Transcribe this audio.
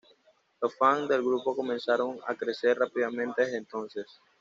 Los fans del grupo comenzaron a crecer rápidamente desde entonces.